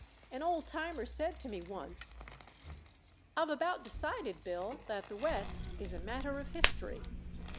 An old timer said to me once: "I've about decided, Bill, that the West is a matter of history.